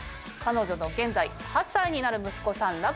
彼女の現在８歳になる息子さん